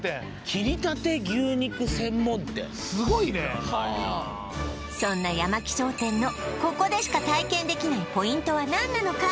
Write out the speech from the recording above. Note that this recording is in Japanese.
切りたて牛肉専門店すごいねそんなヤマキ商店のここでしか体験できないポイントは何なのか？